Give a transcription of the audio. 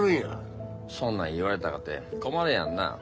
そんなん言われたかて困るやんなあ。